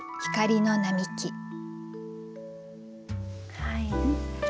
はい。